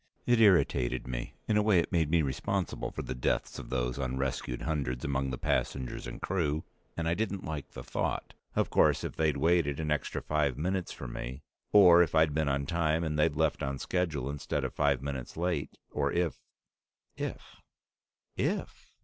It irritated me; in a way, it made me responsible for the deaths of those unrescued hundreds among the passengers and crew, and I didn't like the thought. Of course, if they'd waited an extra five minutes for me, or if I'd been on time and they'd left on schedule instead of five minutes late, or if if! If!